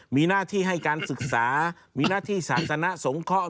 มีหน้าที่ให้การศึกษามีหน้าที่ศาสนสงเคราะห